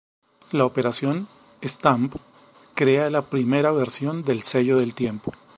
La operación "stamp" crea la primera versión del sello de tiempo.